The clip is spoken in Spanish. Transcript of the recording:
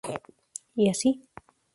Y así.